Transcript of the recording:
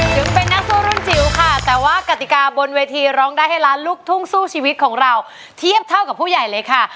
ถึงเป็นนักสู้รุ่นจิ๋วค่ะแต่ว่ากติกาบนเวทีร้องได้ให้ล้านลูกทุ่งสู้ชีวิตของเราเทียบเท่ากับผู้ใหญ่เลยค่ะ